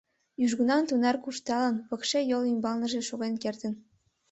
Южгунам тунар куржталын, пыкше йол ӱмбалныже шоген кертын.